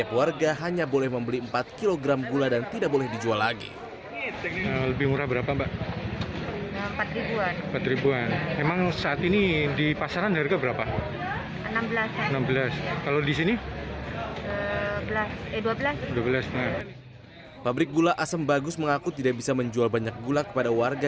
pabrik gula asem bagus mengaku tidak bisa menjual banyak gula kepada warga